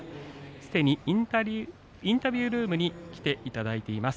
すでにインタビュールームに来ていただいています。